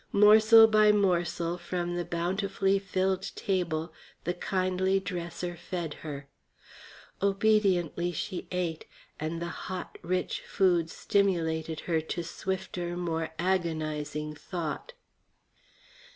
Morsel by morsel from the bountifully filled table the kindly dresser fed her. Obediently she ate, and the hot, rich food stimulated her to swifter, more agonizing thought.